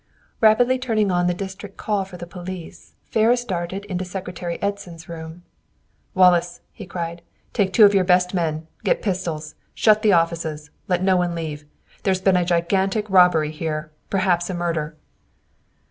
Rapidly turning on the District call for the police, Ferris darted into Secretary Edson's room. "Wallace," he cried, "take two of your best men; get pistols. Shut the offices! Let no one leave! There's been a gigantic robbery here; perhaps a murder!"